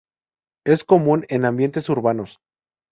Es común en ambientes urbanos.